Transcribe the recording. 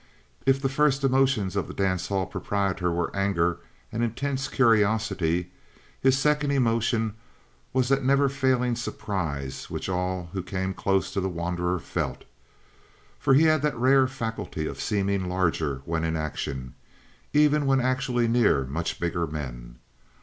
If the first emotions of the dance hall proprietor were anger and intense curiosity, his second emotion was that never failing surprise which all who came close to the wanderer felt. For he had that rare faculty of seeming larger when in action, even when actually near much bigger men.